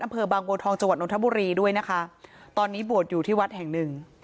อำเภอบางบัวทองจังหวัดนทบุรีด้วยนะคะตอนนี้บวชอยู่ที่วัดแห่งหนึ่ง